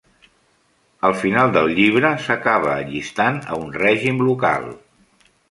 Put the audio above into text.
Al final del llibre, s'acaba allistant a un règim local.